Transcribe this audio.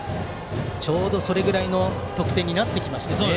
ちょうど、それぐらいの得点になってきましたね。